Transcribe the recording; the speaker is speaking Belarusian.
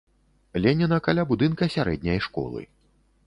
Леніна каля будынка сярэдняй школы.